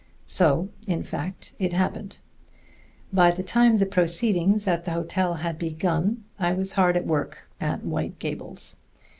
So in fact it happened. By the time the proceedings at the hotel had begun, I was hard at work at White Gables.